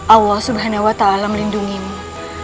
allah subhanahu wa ta'ala melindungimu